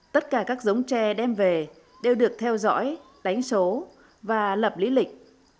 tất cả các giống tre đem về đều được theo dõi đánh số và lập lý lịch